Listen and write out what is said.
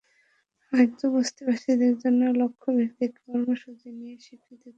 হয়তো বস্তিবাসীদের জন্য লক্ষ্যভিত্তিক কর্মসূচি নিয়ে কৃতিত্বের পরিসংখ্যান হাজির করায় সমস্যা হয়।